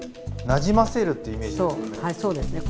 なじませるっていうイメージですかね？